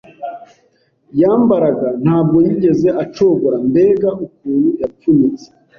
Yambaraga ntabwo yigeze acogora mbega ukuntu yapfunyitse